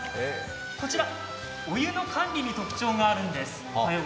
こちら、お湯の管理に特徴があるんです。